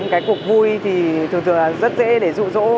cái cuộc vui thì thường thường là rất dễ để dụ dỗ